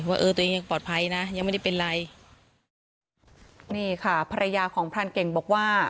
ว่าเออตัวเองยังปลอดภัยนะยังไม่ได้เป็นไรนี่ค่ะภรรยาของพรานเก่งบอกว่า